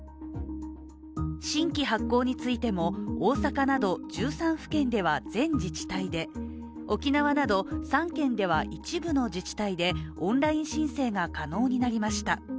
新規発行についても大阪など１３府県では全自治体で、沖縄など３県では、一部の自治体でオンライン申請が可能になりました。